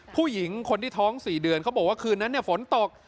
ผู้หญิงคนที่ท้อง๔เดือนเขาบอกว่าคืนนั้นฝนตก